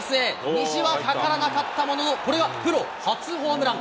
虹は架からなかったものの、これはプロ初ホームラン。